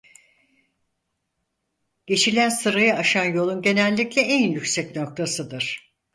Geçilen sırayı aşan yolun genellikle en yüksek noktasıdır.